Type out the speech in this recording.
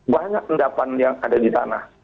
banyak pendapatan yang ada di tanah